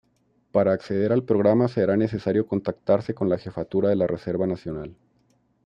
Para acceder al programa será necesario contactarse con la jefatura de la reserva nacional.